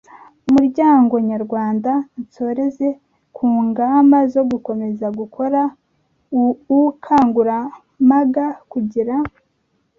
muryango nyarwanda nsoreze ku ngama zo gukomeza gukora uukanguramaga kugira